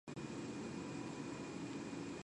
This noise is known as photon shot noise.